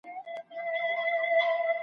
نو خود به اوس